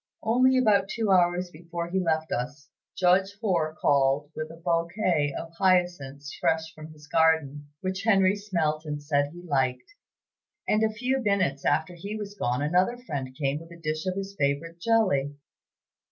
Only about two hours before he left us, Judge Hoar called with a bouquet of hyacinths fresh from his garden, which Henry smelt and said he liked, and a few minutes after he was gone another friend came with a dish of his favorite jelly.